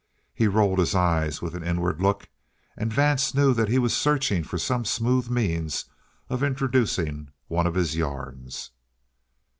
He rolled his eye with an inward look, and Vance knew that he was searching for some smooth means of introducing one of his yarns.